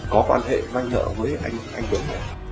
có quan hệ văn nhợ với anh võ thành tuấn